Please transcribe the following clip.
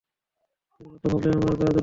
তার কথা ভাবলেই আমার গা জ্বলে উঠে।